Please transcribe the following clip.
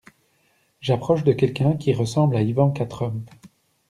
J'approche de quelqu'un qui ressemble à Ivanka Trump.